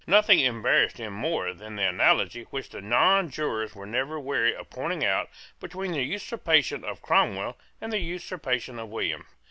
Nothing embarrassed them more than the analogy which the nonjurors were never weary of pointing out between the usurpation of Cromwell and the usurpation of William.